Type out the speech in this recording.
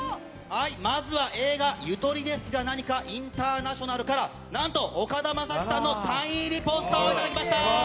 まずは、映画、ゆとりですかなにかインターナショナルから、なんと岡田将生さんのサイン入りポスターを頂きました。